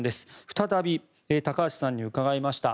再び高橋さんに伺いました。